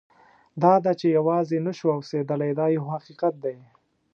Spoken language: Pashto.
دا ده چې یوازې نه شو اوسېدلی دا یو حقیقت دی.